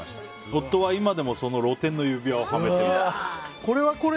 夫は今でもその露店の指輪をはめています。